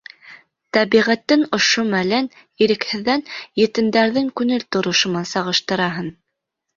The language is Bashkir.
Тәбиғәттең ошо мәлен, ирекһеҙҙән, етемдәрҙең күңел торошо менән сағыштыраһың.